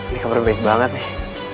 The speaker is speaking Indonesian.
ini kabar baik banget nih